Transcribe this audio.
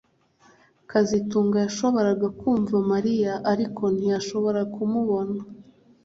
kazitunga yashoboraga kumva Mariya ariko ntiyashobora kumubona